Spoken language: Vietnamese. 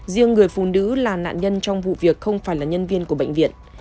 riêng người phụ nữ là nạn nhân trong vụ việc không phải là nhân viên của bệnh viện